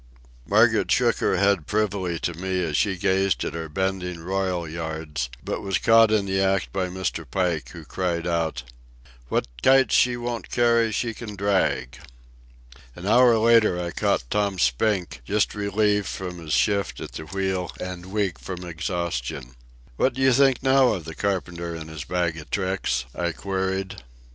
Margaret shook her head privily to me as she gazed at our bending royal yards, but was caught in the act by Mr. Pike, who cried out: "What kites she won't carry she can drag!" An hour later I caught Tom Spink, just relieved from his shift at the wheel and weak from exhaustion. "What do you think now of the carpenter and his bag of tricks?" I queried.